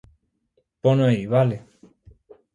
Pono aí, vale?